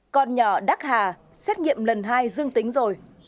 con nhỏ đắc hà xét nghiệm lần hai dương tính rồi